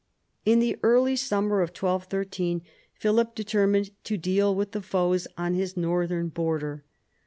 In the early summer of 1213 Philip determined to deal with the foes on his northern border.